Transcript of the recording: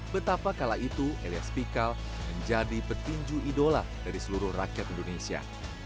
betapa kala itu elias pikal menjadi petinju idola dari seluruh rakyat indonesia